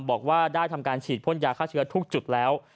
บอกว่าได้ทำการฉีดพ่นยาฆ่าเชื้อทุกจุดแล้ว